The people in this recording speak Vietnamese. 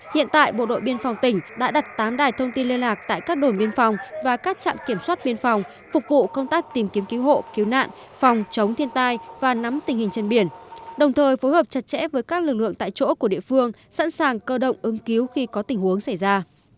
hiện tại bộ đội biên phòng tỉnh đã đặt tám đài thông tin liên lạc tại các đồn biên phòng và các trạm kiểm soát biên phòng phục vụ công tác tìm kiếm cứu hộ cứu nạn phòng chống thiên tai và nắm tình hình trên biển đồng thời phối hợp chặt chẽ với các lực lượng tại chỗ của địa phương sẵn sàng cơ động ứng cứu khi có tình huống xảy ra